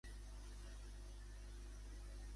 Digues a les tres que em posi la insulina.